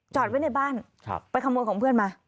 ไว้ในบ้านไปขโมยของเพื่อนมา